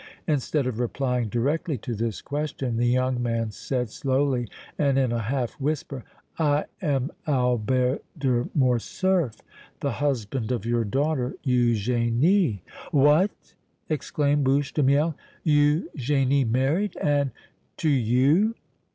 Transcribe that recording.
Instead of replying directly to this question, the young man said, slowly and in a half whisper: "I am Albert de Morcerf, the husband of your daughter Eugénie!" "What!" exclaimed Bouche de Miel. "Eugénie married and to you!"